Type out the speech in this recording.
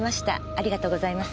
ありがとうございます。